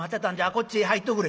こっちへ入っとくれ」。